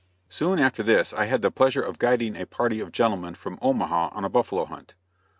Soon after this I had the pleasure of guiding a party of gentlemen from Omaha on a buffalo hunt.